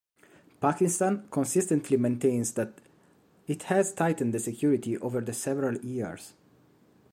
Pakistan consistently maintains that it has tightened the security over the several years.